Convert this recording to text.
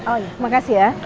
oh iya terima kasih ya